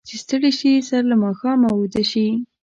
چې ستړي شي، سر له ماښامه اوده شي.